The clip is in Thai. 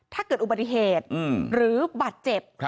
ถ้าเกิดอุบัติเหตุหรือบาดเจ็บ